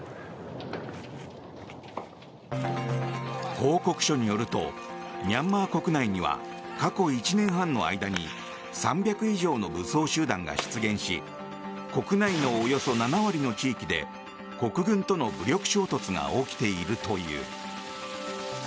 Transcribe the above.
報告書によるとミャンマー国内には過去１年半の間に３００以上の武装集団が出現し国内のおよそ７割の地域で国軍との武力衝突が起きているという。